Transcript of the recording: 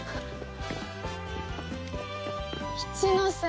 一ノ瀬。